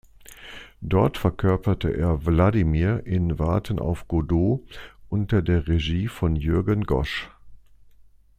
Dort verkörperte er Wladimir in "Warten auf Godot" unter der Regie von Jürgen Gosch.